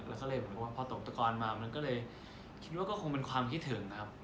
แล้วก็เลยเหมือนกับว่าพอตกตะกอนมามันก็เลยคิดว่าก็คงเป็นความคิดถึงครับ